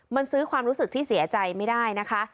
มันซื้อความรู้สึกที่เสียใจไม่ได้นะคะ